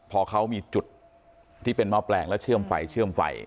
พอเขามีจุดที่เป็นหม้อแปลงแล้วเชื่อมไฟเชื่อมไฟ